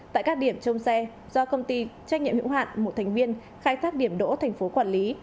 tại các điểm trong xe do công ty trách nhiệm hữu hạn một thành viên khai thác điểm đỗ thành phố quản lý